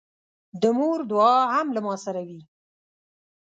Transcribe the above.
د مور دعا هم له ما سره وي.